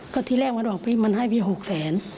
ก็ที่แรกมันบอกมันให้พี่๖๐๐๐๐๐บาท